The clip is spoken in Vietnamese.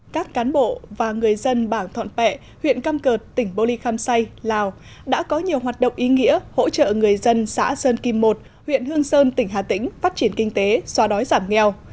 các cán bộ và người dân bản thoạn pẹ huyện cam cợt tỉnh bô ly khăm say lào đã có nhiều hoạt động ý nghĩa hỗ trợ người dân xã sơn kim một huyện hương sơn tỉnh hà tĩnh phát triển kinh tế xóa đói giảm nghèo